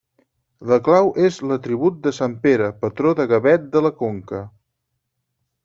La clau és l'atribut de sant Pere, patró de Gavet de la Conca.